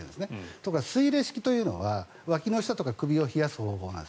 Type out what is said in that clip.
ところが水冷式というのはわきの下とか首を冷やす方法がある。